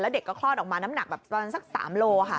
แล้วเด็กก็คลอดออกมาน้ำหนักสัก๓โลกรัมค่ะ